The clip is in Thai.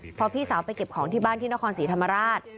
เพราะพี่สาวไปเก็บของที่บ้านที่นครศรีธรรมราช